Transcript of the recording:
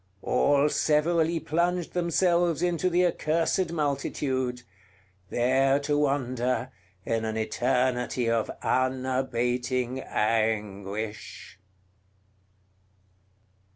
All severally plunged themselves into the accursed multitude, there to wander in an eternity of unabating anguish.